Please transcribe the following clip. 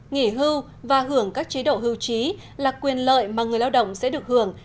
nghỉ hưu và hưởng các chế độ hưu trí là quyền lợi mà người lao động sẽ được hưởng